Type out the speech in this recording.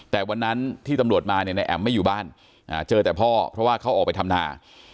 แต่วันนั้นที่ตำรวจมาเนี่ยนายแอ๋มไม่อยู่บ้านเจอแต่พ่อเพราะว่าเขาออกไปทำนา